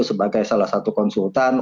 sebagai salah satu konsultan